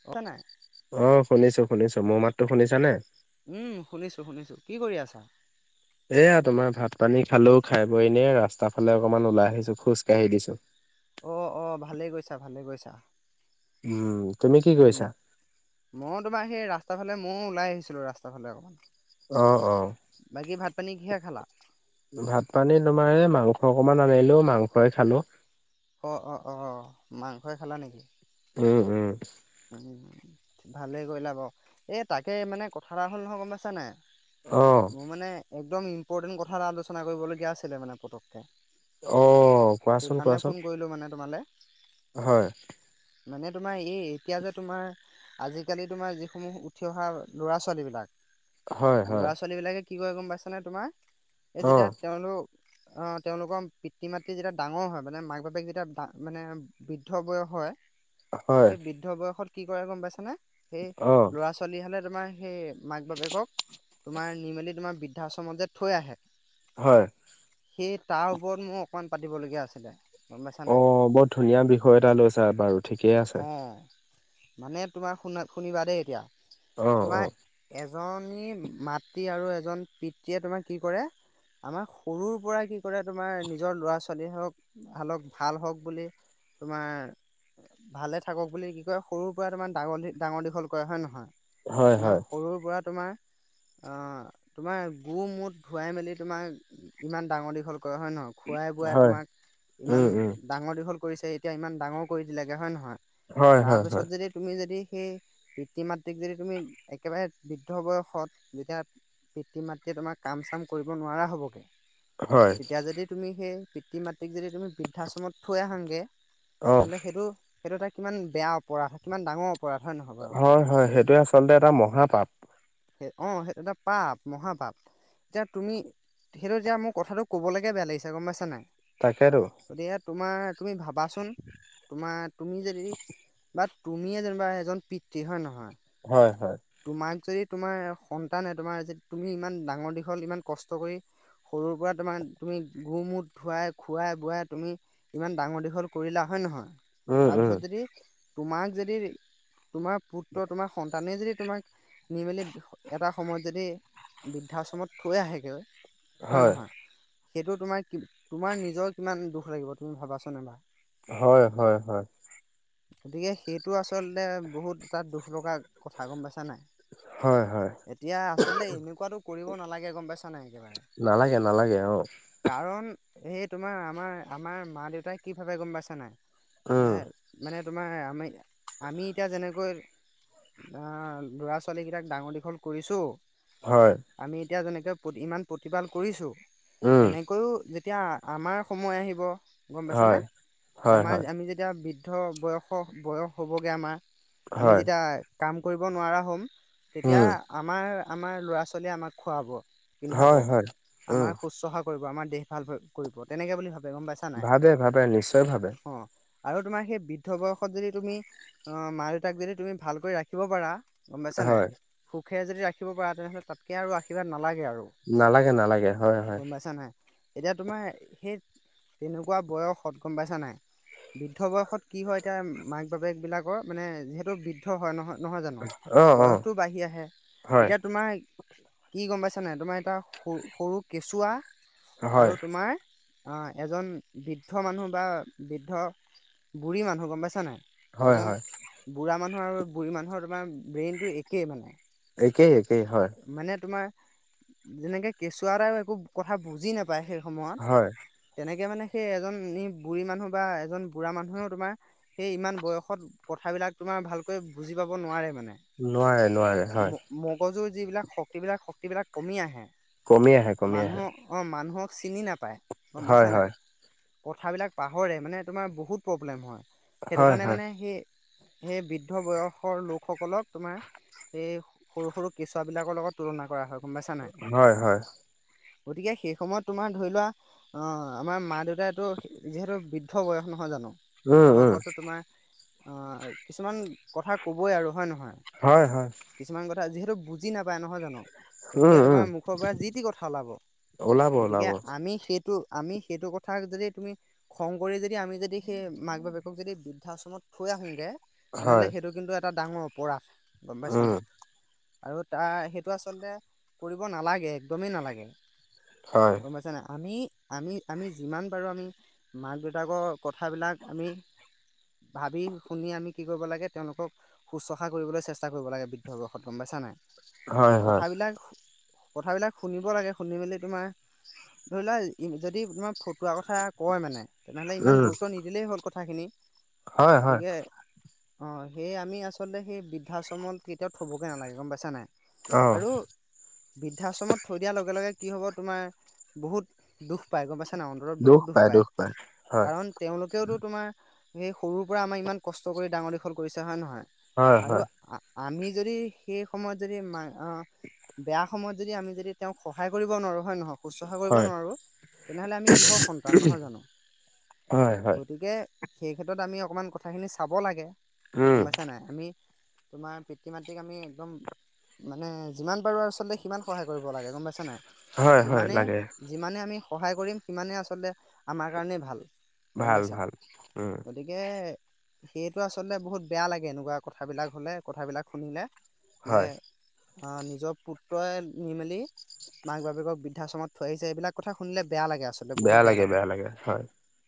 শুনিছা নাই শুনিছোঁ শুনিছোঁ মোৰ মাতো শুনিছা নে উম শুনিছোঁ শুনিছোঁ কি কৰি আছা। এয়া তোমাৰ ভাত- পানী খালেও খাই বই ন ৰাস্তা ফালে অকমান ওলাই আহিছোঁ খোজকাঢ়ি দিছোঁ। অ অ ভালে কৈছা ভালে কৈছা। উ উম মই তোমাৰ সেই ৰাস্তা ফালে মইয়ো ওলাই আহিছিলোঁ ৰাস্তাৰ ফালে অ', অ', অকণমান। বাকী ভাত-পানী কিহে খালা। ভাত-পানী তোমাৰ মাংস অকমান আনিলোঁ মাংসই খালোঁ। অ অ অ মাংসই খালা নেকি। উম! উম! ভালেই কৰিলা বাৰু এই তাকে মানে কথা এটা হ'ল নহয় গম পাইছ নাই। অ', মোৰ মানে একদম ইম্পৰ্টেন্ট কথা এটা আলোচনা কৰিবলগীয়া আছিলে মানে পতককে অ কোৱাচোন সেইকাৰণে ফোন কোৱাচোন কৰিলো মানে তোমালে হয় মানে তোমাৰ এই এতিয়া যে তোমাৰ আজিকালি তোমাৰ যিসমূহ উঠি অহা ল'ৰা -ছোৱালী বিলাক। হয়, হয়, ল'ৰা -ছোৱালী বিলাকে কি কৰে গম পাইছানে তোমাৰ এই যেতিয়া অ', তেওঁলোক অ তেওঁলোকৰ পিতৃ -মাতৃ যেতিয়া ডাঙৰ হয় মানে মাক বাপেক যেতিয়া মানে বৃদ্ধ বয়স হয় হয় সেই বৃদ্ধ বয়সত কি কৰে গম পাইছানে সেই অ', ল'ৰা- ছোৱালী হ'লে তোমাৰ সেই মাক -বাপেকক তোমাৰ নিমেলি তোমাৰ বৃদ্ধাশ্ৰমত যে থৈ আহে হয়। সেই তাৰ ওপৰত মোৰ অকমান পাতিবলগীয়া আছিলে গম পাইছা নাই অহ, বৰ ধুনীয়া বিষয় এটা লৈছা বাৰু ঠিকেই আছে। অ মানে তোমাৰ শুনা- শুনিবা দেই এতিয়া অ', - তোমাৰ অ', এজনী মাতৃ আৰু এজন পিতৃয়ে তোমাক কি কৰে আমাৰ সৰুৰ পৰাই কি কৰে তোমাৰ নিজৰ ল'ৰা -ছোৱালীহতক ভালক ভাল হওঁক বুলি তোমাৰ ভালে থাকক বুলি কি কয় সৰুৰ পৰা তোমাৰ ডাঙৰ -ডাঙৰ- দীঘল কৰে হয় -নহয় হয়, তোমাৰ হয়, সৰুৰ পৰা তোমাৰ আহ, তোমাৰ গু -মূত, ধোৱাই মেলি তোমাৰ ইমান ডাঙৰ -দীঘল কৰা হয় নহ খুৱাই- বোৱাই হয়, তোমাক ইমান উম, উম, ডাঙৰ -দীঘল কৰিছে এতিয়া ইমান ডাঙৰ কৰি দিলেগে হয়- নহয় হয়, তাৰ হয়, পিছত হয়, যদি তুমি যদি সেই পিতৃ- মাতৃক যদি তুমি একেবাৰে বৃদ্ধ বয়সত যেতিয়া পিতৃ- মাতৃয়ে তোমাৰ কাম চাম কৰিব নোৱাৰা হ'বগে হয়, তেতিয়া যদি তুমি সেই পিতৃ- মাতৃক যদি তুমি বৃদ্ধাশ্ৰমত থৈ আহাগে অ'। তেন্তে সেইটো-সেইটো এটা কিমান বেয়া অপৰাধ কিমান ডাঙৰ অপৰাধ হয় নহয় বাৰু হয় -হয় সেইটোয়ে আচলতে এটা মহাপাপ সেই অহ সেইটো এটা পাপ - মহাপাপ। এতিয়া তুমি সেইটো এতিয়া মোৰ কথাটো কবলৈকে বেয়া লাগিছে গম পাইছা নাই তাকেতো গতিকে তোমাৰ তুমি ভাবাচোন তোমাৰ তুমি যদি বা তুমিয়ে যেনিবা এজন পিতৃ হয় নে নহয় হয় হয় তোমাক যদি তোমাৰ সন্তানে তোমাৰ যে তুমি ইমান ডাঙৰ দীঘল ইমান কষ্ট কৰি সৰুৰ পৰা তোমাৰ তুমি গু, মূত, ধুৱাই- খুৱাই -বোৱাই তুমি ইমান ডাঙৰ দীঘল কৰিলা হয় নহয় উম উম তাৰপিছত যদি তোমাক যদি তোমাৰ পুত্ৰ তোমাৰ সন্তানে যদি তোমাক নিমেলি এটা সময়ত যদি বৃদ্ধাশ্ৰমত থৈ আহেগৈ হয় -নহয় সেইটো তোমাৰ কি তোমাৰ নিজৰ কিমান দুখ লাগিব তুমি ভাবাচোন এবাৰ। হয় -হয় হয়। গতিকে সেইটো আচলতে বহুত এটা দুখ লগা কথা গম পাইছা নাই। হয় হয় এতিয়া আচলতে এনেকুৱাটো কৰিব নালাগে গম পাইছা নাই একেবাৰে বেয়া অ কাৰণ এই তোমাৰ আমাৰ- আমাৰ মা -দেউতাই কিভাৱে গম পাইছা উম নাই মানে তোমাৰ আমি- আমি এতিয়া যেনেকৈ আ ল'ৰা- ছোৱালীকেইটাক ডাঙৰ দীঘল কৰিছোঁ হয়। আমি এতিয়া যেনেকে ইমান প্ৰতিপাল কৰিছোঁ উম তেনেকৈও এতিয়া আমাৰ সময় আহিব গম পাইছানে হয় হয় আমাৰ হয় আমি যেতিয়া বৃ দ্ধ বয়স- বয়স হ'বগে আমাৰ আমি হয় যেতিয়া কাম কৰিব নোৱাৰা হম তেতিয়া উম আমাৰ- আমাৰ ল'ৰা-ছোৱালীয়ে আমাক খোৱাব। পিন্ধাব হয় হয় উম আমাৰ শুশ্ৰূষা কৰিব আমাৰ দেহ ভাল কৰিব তেনেকে বুলি ভাবে। গম পাইছা নাই ভাবে- ভাবে নিশ্চয় ভাবে। অ আৰু তোমাৰ সেই বৃদ্ধ বয়সত যদি তুমি অ' মা -দেউতাক যদি তুমি ভালকৈ ৰাখিব পাৰা গম পাইছা নাই হয় সুখেৰে যদি ৰাখিব পৰা তেনেহ'লে তাতকৈ আৰু আশীৰ্বাদ নালাগে আৰু নালাগে- নালাগে, হয় - হয়। গম পাইছা নাই এতিয়া তোমাৰ সেই তেনেকুৱা বয়সত গম পাইছা নাই বৃদ্ধ বয়সত কি হয় এতিয়া মাক বাপেক বিলাকৰ মানে যিহেতু বৃদ্ধ হয় নহয় নহয় জানো অ অ বয়সটো বাঢ়ি আহে, হয় এতিয়া তোমাৰ কি গম পাইছা নাই তোমাৰ এটা সৰু কেঁচুৱা হয় আৰু তোমাৰ এজন বৃদ্ধ মানুহ বা বৃদ্ধ বুঢ়ী মানুহ গম পাইছা নাই হয় এজন হয় বুঢ়া মানুহ আৰু বুঢ়ী মানুহৰ তোমাৰ ব্ৰেইনটো একেই মানে। একেই একেই হয় মানে তোমাৰ যেনেকে কেঁচুৱাএটাও একো কথা বুজি না পায় সেই সময়ত হয় তেনেকৈ মানে সেই এজন ই বুঢ়ী মানুহ বা এজন বুঢ়া মানুহেও তোমাৰ সেই ইমান বয়সত কথাবিলাক তোমাৰ ভালকৈ বুজি পাব নোৱাৰে মানে নোৱাৰে নোৱাৰে হয় মগজু যিবিলাক শক্তিবিলাক শক্তিবিলাক কমি আহে কমি আহে কমি মানুহ আহে অ মানুহক চিনি নাপায় গম হয় পাইছা নাই হয় কথাবিলাক পাহৰে মানে তোমাৰ বহুত প্ৰব্লেম হয় সেইটো হয় কাৰণে হয় মানে সি সেই বৃদ্ধ বয়সৰ লোকসকলক তোমাৰ এই সৰু সৰু কেচুৱাবিলাকৰ লগত তুলনা কৰা হয় গম পাইছা নাই। হয় হয় গতিকে সেই সময়ত তোমাৰ ধৰি লোৱা আমাৰ মা দেউতাইতো যিহেতু বৃদ্ধ বয়স নহয় জানো উম বৃদ্ধ উম বয়সততো তোমাৰ অ কিছুমান কথা কথা কবই আৰু হয় নহয় হয় কিছুমান কথা যিহেতু বুজি নাপায় নহয় জানো গতিকে উম উম তোমাৰ মুখৰ পৰা যি টি কথা ওলাব ওলাব গতিকে ওলাব আমি সেইটো আমি সেইটো কথা যদি তুমি খং কৰি যদি আমি যদি সেই মাক বাপেকক যদি বৃদ্ধাশ্ৰমত থৈ আহোগৈ তেনেহ'লে হয় সেইটো কিন্তু এটা ডাঙৰ অপৰাধ গম পাইছা উম নাই আৰু তাৰ সেইটো আচলতে কৰিব নালাগে একদমেই নালাগে হয় গম পাইছা নাই আমি আমি আমি যিমান পাৰোঁ আমি মাক দেউতাকৰ কথাবিলাক আমি ভাবি শুনি আমি কি কৰিব লাগে তেওঁলোকক শুশ্ৰূষা কৰিবলৈ চেষ্টা কৰিব লাগে বৃদ্ধ বয়সত গম পাইছা নাই হয় হয় কথাবিলাক কথাবিলাক শুনিব লাগে শুনি মেলি তোমাৰ ধৰি লোৱা যদি তোমাৰ ফটোৱাৰ কথা কয় মানে তেনেহ'লে ইমান উম গুৰুত্ব নিদিলেই হ'ল কথাখিনি হয় হয় গতিকে অ সেই আমি আচলতে সেই বৃদ্ধাশ্ৰমত কেতিয়াও থবগে নালাগে গম পাইছা নাই অ আৰু বৃদ্ধাশ্ৰমত থৈ দিয়াৰ লগে লগে কি হব তোমাৰ বহুত দুখ পাই গম পাইছা না অন্তৰত বহুত দুখ পায় কাৰণ তেওঁলোকেওতো তোমাৰ সেই সৰুৰ পৰা আমাৰ ইমান কষ্ট কৰি ডাঙৰ দীঘল কৰিছে হয় নহয় হয় আৰু হয় আমি যদি সেই সময়ত যদি মা অ বেয়া সময়ত যদি আমি যদি তেওঁক সহায় কৰিব নোৱাৰো হয় নহয় শুশ্ৰূষা কৰিব হয় নোৱাৰোঁ তেনেহ'লে আমি কিহৰ সন্তান নহয় জানো হয় হয় গতিকে সেই ক্ষেত্ৰত আমি অকণমান কথাখিনি চাব লাগে উম গম পাইছা নাই আমি তোমাৰ পিতৃ মাতৃক আমি একদম মানে যিমান পাৰো আচলতে সিমান সহায় কৰিব লাগে গম পাইছে নাই হয় হয় যিমানেই লাগে যিমানে আমি সহায় কৰিম সিমানেই আচলতে আমাৰ কাৰণেই ভাল গম ভাল পাইছা ভাল উম গতিকে সেইটো আচলতে বহুত বেয়া লাগে এনেকুৱা কথাবিলাক হলে কথাবিলাক শুনিলে হয় অ নিজৰ পুত্ৰই নিমেলি মাক বাপেকক বৃদ্ধাশ্ৰমত থৈ আহিছে এইবিলাক কথা শুনিলে বেয়া লাগে আচলতে বহুত বেয়া লাগে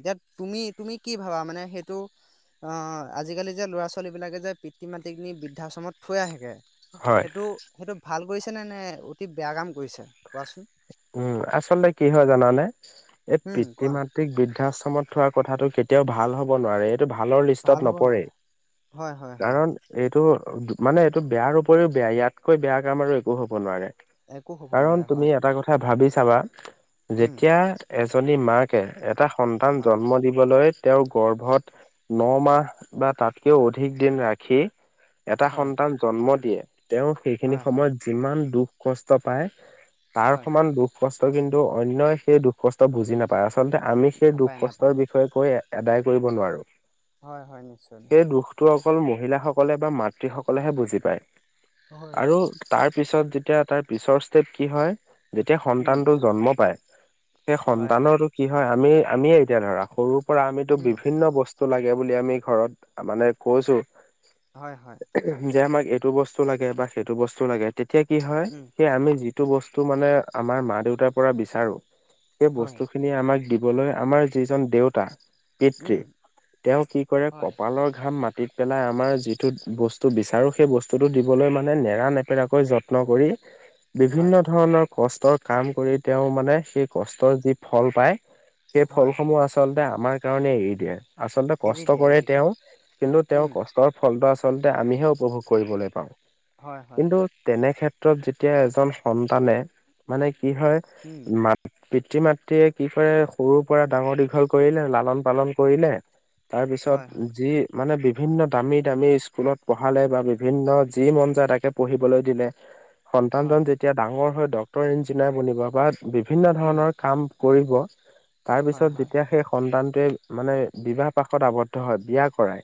এতিয়া তুমি তুমি কি ভাবা মানে সেইটো অ আজিকালি যে ল'ৰা ছোৱালী বিলাকে যে পিতৃ মাতৃক নি বৃদ্ধাশ্ৰমত থৈ আহেগে হয় সেইটো সেইটো ভাল কৰিছে নে নে অতি বেয়া কাম কৰিছে কোৱাচোন উম আচলতে কি হয় জানানে এই উম পিতৃ কোৱা মাতৃক বৃদ্ধাশ্ৰমত থোৱা কথাটো কেতি কেতিয়াও ভাল হ'ব নোৱাৰে এইটো ভালৰ লিষ্টত ভাল হ'ব নপৰে নোৱাৰে হয় হয় হয় কাৰণ এইটো মানে এইটো বেয়া উপৰিও বেয়া ইয়াতকৈ বেয়া কাম আৰু একো হব নোৱাৰে একো হ'ব কাৰণ নোৱাৰে তুমি এটা কথা হয় ভাবি চাবা উম যেতিয়া এজনী মাকে এটা সন্তান হয় জন্ম দিবলৈ তেওঁৰ গৰ্ভত ন মাহ বা তাতকেও অধিক দিন ৰাখি এটা হয় সন্তান জন্ম দিয়ে তেওঁ সেইখিনি হয় হয় সময়ত যিমান দুখ কষ্ট পায় তাৰ হয় সমান দুখ কষ্ট কিন্তু অন্যই সেই দুখ কষ্ট বুজি নাপাই আচ আচলতে আমি সেই দুখ নাপায় নাপায় কষ্টৰ বিষয়ে কৈ আদায় কৰিব নোৱাৰো হয় হয় নিশ্চয় সেই নিশ্চয় দুখটো অকল মহিলাসকলে বা মাতৃ সকলেহে বুজি পায় হয়। আৰু তাৰ পিছত যেতিয়া তাৰ পিছৰ ষ্টেপ কি হয় যেতিয়া উম সন্তানটো জন্ম পায় সেই হয় হয় সন্তানৰো কি হয় আমি আমিয়ে এতিয়া ধৰা সৰুৰ পৰা আমিতো উম বিভিন্ন বস্তু লাগে আমি ঘৰত মানে কৈছো হয় হয় যে আমাক সেইটো বস্তু লাগে বা সেইটো বস্তু লাগে তেতিয়া কি হয় উম আমি যিটো বস্তু মানে আমাৰ মা দেউতাৰ পৰা বিচাৰো স হয় বস্তু খিনি আমাক দিবলৈ আমাৰ যিজন দেউতা। পিতৃ উম তেওঁ কি কৰে হয় কপালৰ ঘাম মাটিত। পেলাই আমাৰ যিটো বস্তু বিচাৰো সেই বস্তুটো দিবলৈ মানে নেৰা নেপেৰাকৈ যত্ন কৰি। হয় বিভিন্ন ধৰণৰ কষ্টৰ কাম কৰি তেওঁ মানে সেই কষ্টৰ যি ফল পায়। সেই হয় ফলসমূহ আচলতে আমাৰ কাৰণে এৰি দিয়ে। আচলতে এৰি কষ্ট দিয়ে কৰে এৰি দিয়ে তেওঁ কিন্তু তেওঁৰ উম কষ্টৰ ফলটো আল। আচলতে আমিহে উপভোগ কৰিবলৈ পাওঁ হয় হয় কিন্তু তেনে ক্ষেত্ৰত যেতিয়া এজন। সন্তানে মানে কি হয় উম ম। পিতৃ মাতৃয়ে কি কৰে সৰুৰ পৰা ডাঙৰ দীঘল কৰিলে লালন পালন কৰিলে। তাৰ পিছত হয় হয় যি মানে। বিভিন্ন দামী দামী স্কুলত পঢ়ালে বা বিভিন্ন যি মন যায় তাকে পঢ়িবলৈ দিলে। সন্তানজন হয় যেতিয়া ডাঙৰ হৈ ড্ক্তৰ ইঞ্জিনিয়াৰ বনিব বা বিভিন্ন উম ধৰণৰ কাম। তাৰ হয় পিছত হয় যেতিয়া সেই স। মানে বিবাহ পাশত আৱদ্ধ হয় বিয়া কৰাই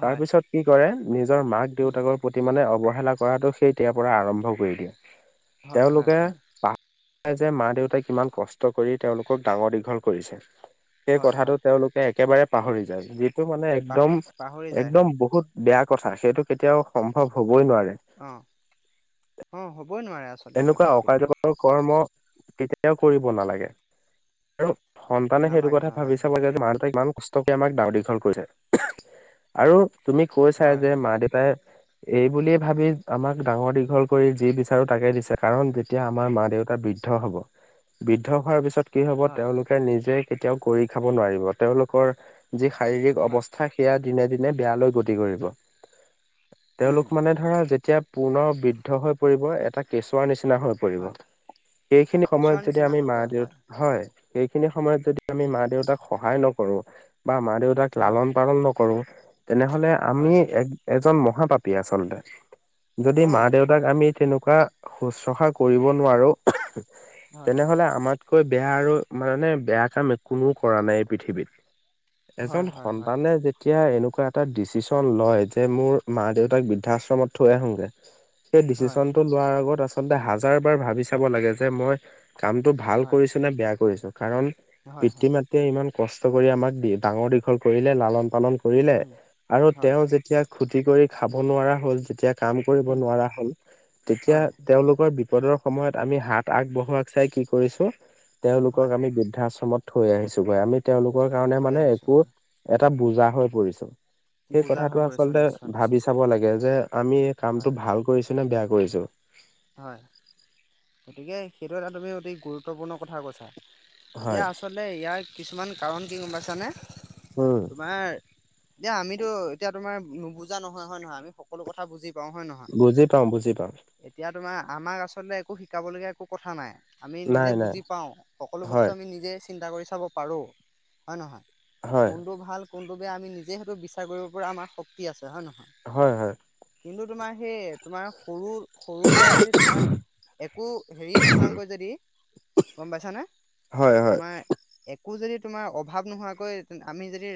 তাৰ হয় পিছত কি কৰে। নিজৰ মাক উম দেউতাকৰ প্ৰতি মানে অৱহেলা কৰাটো সেইতেতিয়াৰ পৰা আৰম্ভ কৰি দিয়ে। [unintelligible] হয় হয় তেওঁলোকে হয় পাহ। যে মা দেউতাই কিমান কষ্ট কৰি তেওঁলোকক ডাঙৰ দীঘল কৰিছে। সেই হয় কথাটো হয় তেওঁলোকে একেবাৰে পাহৰি যায় যি। টো মানে একদম পাহৰি পাহৰি যায় এক্দম হয় বহুত বেয়া কথা সেইটো কেতিয়াও সম্ভৱ হ'ব। অ অ হ'ব। এনেকুৱা অক্যকৰ কৰ্ম কেতিয়াও কৰিব নালাগে আৰু। [unintelligible] সন্তানে সেইটো নালাগে কথা ভাবি নালাগে চাব হয় লাগে যে মানুহ তাক ইমান কষ্ট। কে আমাক ডাৱৰ দীঘল কৰিছে আৰু তুমি কৈছা হয় যে হয় মা দেউতাই। এই বুলিয়ে ভাবি আমাক ডাঙৰ দীঘল কৰি যি বিচাৰো তাকে। কাৰণ যেতিয়া আমাৰ মা দেউতা বৃদ্ধ হব বৃদ্ধ হোৱাৰ পিছত। কি হব হয় তেওঁলোকে নিজে কেতিয়াও কৰি খাব নোৱাৰিব তেওঁলোকৰ। যি শাৰীৰিক হয় অৱস্থা সেয়া দিনে দিনে বেয়ালৈ গতি কৰিব। উম তেওঁলোক মানে ধৰা যেতিয়া পুৰ্নৰ বৃদ্ধ হৈ পৰিব এটা কেঁচুৱা নিচিনা। হৈ পৰিব হয় সেইখিনি কেঁচুৱাৰ সময়ত যদি নিচিনা আমি হৈ মা পৰে দেউতা হয় সেইখিনি। সময়ত যদি আমি উম মা দেউতাক সহায় নকৰো বা মা দেউতাক হয় লালন পালন নকৰো। তেনেহলে আমি হয় হয় এ এজন মহাপাপী আচলতে যদি অ মা দেউতাক আমি তেনেকা। শুশ্ৰূষা কৰিব নোৱাৰো হয় তেনেহলে আমাৰ। হয় বেয়া আৰু মানে বেয়া কাম একোনোও কৰা নাই পৃথিৱীত। হয় এজন হয় হয় সন্তানে যেতিয়া এনে। এনেুৱা এটা ডিচিশন লয় যে মোৰ মা দেউতাক বৃদ্ধাশ্ৰমত থৈ আহোগে। সেই হয় ডিচিশচন টো লোৱাৰ আগত আচলতে হাজাৰ বাৰ ভাবি চাব লাগে যে মই। কামটো ভাল হয় কৰিছো নে বেয়া কৰিছো কাৰণ হয় পিতৃ হয় মাতৃয়ে ইমান। কষ্ট কৰি আমাক দি ডাঙৰ দীঘল কৰিলে লালন পালন কৰিলে উম আৰু হয় তেওঁ যেতিয়া। খুতি কৰি খাব নোৱাৰা হ'ল যেতিয়া কাম কৰিব উম নোৱাৰা হ'ল তেতিয়া। হয় তেওঁলোকৰ বিপদৰ সময়ত আমি হাত আগবঢ়োৱাক চাই কি কৰিছো তেওঁলোকক হয় আমি বৃদ্ধাশ্ৰমত। থৈ আহিছোগৈ আমি তেওঁওলোকৰ থ- কাৰণে থৈ মানে আহিছোঁ একো হয় এটা বুজা হৈ পৰিছো। সেই বুজা কথাাটো হৈ পৰিছোঁ আচলতে নিশ্চয় ভাবি নিশ্চয় চাব লাগে যে আমি কামটো হয় ভাল কৰিছো নে বেয়া। কৰিছো। হয় গতিকে সেইটো এটা তুমি অতি গুৰুত্বপূৰ্ণ কথা কৈছা। এতিয়া হয় আচলতে ইয়াৰ কিছুমান কাৰণ কি গম পাইছানে। উম তোমাৰ এয়া আমিতো এতিয়া তোমাৰ। নুবুজা নহয় হয় নহয় আমি সোথা বুজি। পাওঁ হয় নহয় বুজি পাওঁ বুজি পাওঁ। এতিয়া তোমাৰ আমাক আচলতে একো শিকাবলগীয়া একো কথা নাই। আমি নিজে নাই নাই বুজি পাওঁ সকলো বস্তু হয় আমি নিজে চিন্তা কৰি চাব পাৰোঁ হয় নহয়। হয় কোনটো ভাল কোনটো বেয়া আমি নিজে সেইটো বিচাৰ কৰিব পৰা আমাৰ শক্তি আছে। হয় নহয় হয় হয় কিন্তু তোমাৰ সেই তোমাৰ সৰু সৰু পৰা যদি তোমাৰ একো হেৰি নোহোৱাকৈ যদি গম পাইছানে হয় হয় তোমাৰ এক আকৌ যদি তোমাৰ অভাৱ নোহোৱাকৈ আমি যদি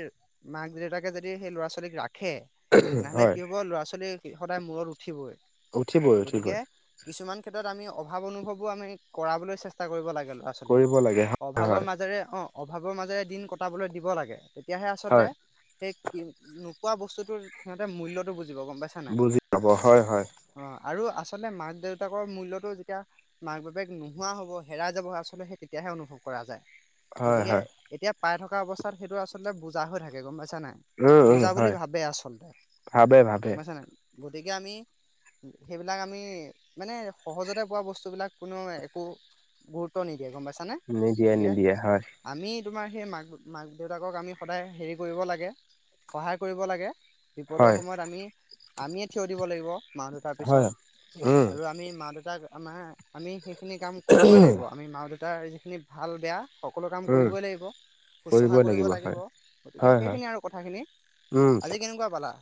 মাক দেউতাকে যদি সেই ল'ৰা ছোৱালীক ৰাখে ৰাখে তেনেহ'লে হয় কি হ'ব ল'ৰা ছোৱালী সদায় মূৰত উঠিবই উঠিবই গতিকে উঠিবই কিছুমান ক্ষেত্ৰত আমি অভাৱ অনুভৱো আমি কৰাবলৈ চেষ্টা কৰিব লাগে ল'ৰা ছোৱালী কৰিব লাগে হয় অভাৱৰ হয় মাজেৰে অ অভাৱৰ মাজেৰে দিন কটাবলৈ দিব লাগেয়া তেতিয়াহে আচলতে হয় সেই কি নোপোৱা বস্তুটো সিহঁতে মূল্যটো বুজ বুজি পাব হয় হয়। অ আৰু আচলতে মাক দেউতাকৰ মূল্যটো যেতিয়া মাক বাপেক নোহোৱা হব হেৰাই যাব আচলতে সেই তেতিয়া অনুভৱ কৰা যায় হয় গতিকে হয় এতিয়া পাই থকা অৱস্থাত সেইটো আচলতে বুজা হৈ থাকে গম পাইছ ছে নাই উম উম বুজা বুলি হয় ভাবে আচলতে ভাবে ভাবে বুমাইছে নাই গতিকে আমি সেইবিলাক আমি মানে সহজতে পোৱা বস্তুবিলাক কোনো একো গুৰুত্ব নিক বিয়া গম পাইছানে নিদিয়ে গতিকে নিদিয়ে হয় আমি তোমাৰ সেই মাক মাক দেউতাকক আমি সদায় হেৰি কৰিব লাগে সহায় কৰিব লাগে বিপদৰ হয় সময়ত আমি আমিয়ে থিয় দিব লাগিব মাহ দুটাৰ হয় পিছত উম আৰু আমি ম মা দেউতাক আমাৰ আমি সেইখিনি কাম কৰিবই লাগিব আমি মা দেউতাৰ যিখিনি ভাল বেয়া সকলো কাম উম কৰিবই লাগিব শুশ্ৰূষা কৰিব লাগিব গতিকে হয় হয় সেইখিনি আৰু কথাখিনি উম আজি কেনেকুৱা পালা